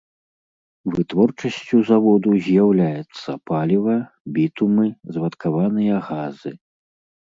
Вытворчасцю заводу з'яўляецца паліва, бітумы, звадкаваныя газы.